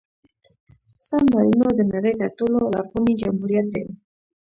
سان مارینو د نړۍ تر ټولو لرغوني جمهوریت دی.